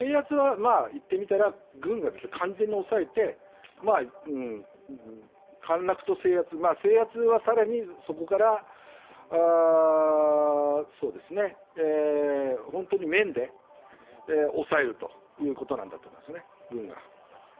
言ってみたら、軍が完全に抑えて陥落と制圧、制圧は更にそこから、本当に面で抑えるということなんだと思いますね、軍が。